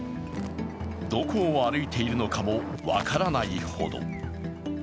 どこを歩いているのかも分からないほど。